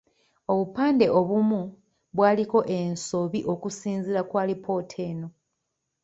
Obupande obumu bwaliko ensobi okusinzira ku alipoota eno.